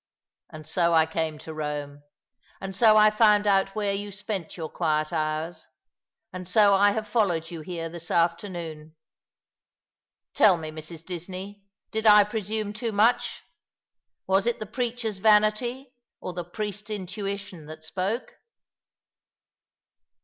And so I came to Eome, and so I found out where you spent your quiet hours, and so I have followed you here this afternoon. Tell me, Mrs. Disney, did I presume too much? Was it the preacher's vanity or tho priest's intuition that spoke